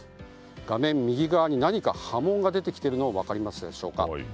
画面右側に何か波紋が出てきているのが分かりますでしょうか。